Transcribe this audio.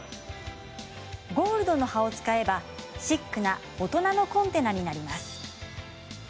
ゴールドの葉を使えば、シックな大人のコンテナになります。